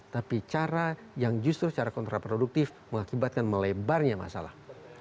tapi cara yang justru secara kontraproduktif mengakibatkan melebarnya masalah